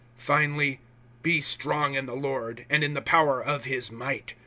(10)Finally, be strong in the Lord, and in the power of his might.